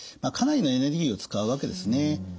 かなりのエネルギーを使うわけですね。